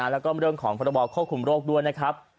แล้วก็เรื่องของพรบควบคุมโรคด้วยนะครับ